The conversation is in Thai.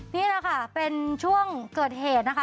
นี่แหละค่ะเป็นช่วงเกิดเหตุนะคะ